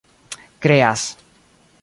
kreas